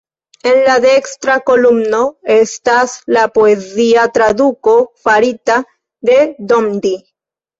En la dekstra kolumno estas la poezia traduko farita de Dondi.